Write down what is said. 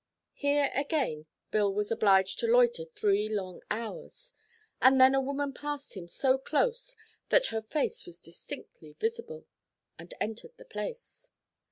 Here, again, Bill was obliged to loiter three long hours, and then a woman passed him so close that her face was distinctly visible, and entered the place.